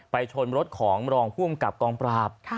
ไปชนรถของรองผู้อำกับกองปราบ